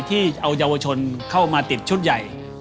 ที่เอาเยาวชนเข้ามาติดชุดใหญ่